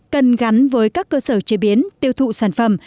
cần gắn với các cơ sở chế biến tiêu thụ sản phẩm